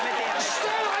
したない！